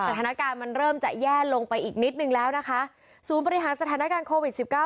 สถานการณ์มันเริ่มจะแย่ลงไปอีกนิดนึงแล้วนะคะศูนย์บริหารสถานการณ์โควิดสิบเก้า